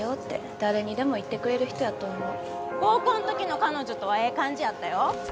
誰にでも言ってくれる人やと思う高校のときの彼女とはええ感じやったよ